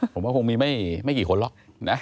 ผมว่าคงมีไม่กี่คนหรอกนะ